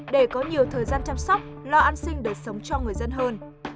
để có nhiều thời gian chăm sóc lo an sinh đời sống cho người dân hơn